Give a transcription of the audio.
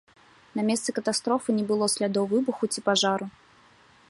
На месцы катастрофы не было слядоў выбуху ці пажару.